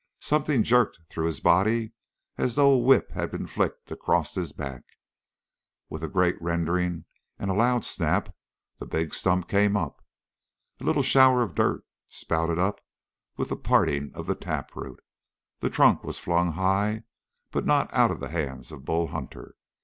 Something jerked through his body as though a whip had been flicked across his back. With a great rending and a loud snap the big stump came up. A little shower of dirt spouted up with the parting of the taproot. The trunk was flung high, but not out of the hands of Bull Hunter.